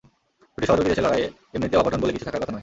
দুটি সহযোগী দেশের লড়াইয়ে এমনিতে অঘটন বলে কিছু থাকার কথা নয়।